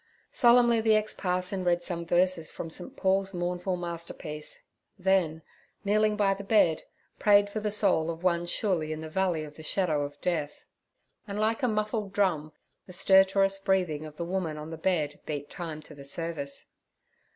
"' Solemnly the ex parson read some verses from St. Paul's mournful masterpiece, then, kneeling by the bed, prayed for the soul of one surely in the Valley of the Shadow of Death. And like a muffled drum the stertorous breathing of the woman on the bed beat time to the service.